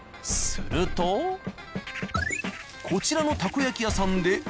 するとこちらのたこ焼き屋さんで。